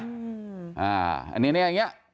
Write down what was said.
อันนี้อย่างนี้